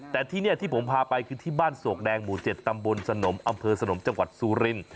แต่ที่นี่ที่ผมพาไปคือที่บ้านโศกแดงหมู่๗ตำบลสนมอำเภอสนมจังหวัดซูริน